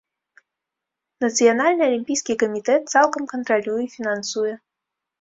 Нацыянальны алімпійскі камітэт цалкам кантралюе і фінансуе.